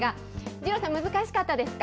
二郎さん、難しかったですか。